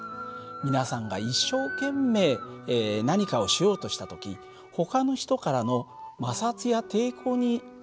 皆さんが一生懸命何かをしようとした時ほかの人からの摩擦や抵抗に遭った経験がありませんか？